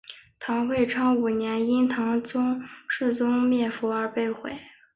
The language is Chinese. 唐会昌五年因唐武宗灭佛而被毁。